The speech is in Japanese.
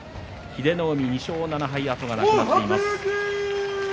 英乃海、２勝７敗後がなくなっています。